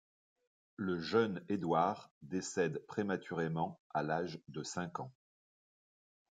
Le jeune Édouard décède prématurément à l'âge de cinq ans.